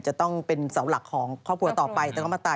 จะต้องเป็นเสาหลักของครอบครัวต่อไป